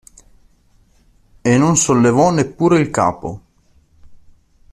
E non sollevò neppure il capo.